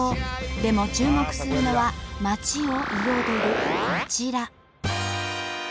でも注目するのは街を彩るこちら。